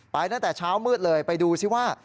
ตั้งแต่เช้ามืดเลยไปดูซิว่า